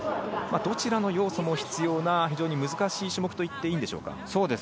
どちらの要素も必要な非常に難しい種目といっていいですか？